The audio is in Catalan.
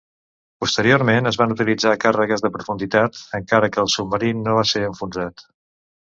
Posteriorment, es van utilitzar càrregues de profunditat, encara que el submarí no va ser enfonsat.